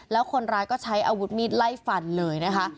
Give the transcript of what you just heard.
แล้วคนร้ายก็ใช้อาวุธมีดไล่ฟันเลยนะคะ